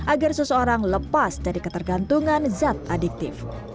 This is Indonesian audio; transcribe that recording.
agar seseorang lepas dari ketergantungan zat adiktif